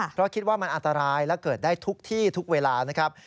เพราะคิดว่ามันอันตรายและเกิดได้ทุกที่ทุกเวลานะครับ